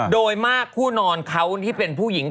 โดยมากคู่นอนเขาที่เป็นผู้หญิง